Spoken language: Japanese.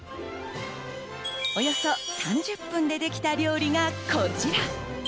およそ３０分でできた料理がこちら。